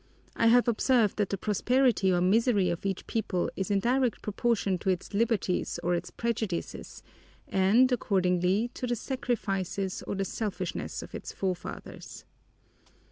I have observed that the prosperity or misery of each people is in direct proportion to its liberties or its prejudices and, accordingly, to the sacrifices or the selfishness of its forefathers."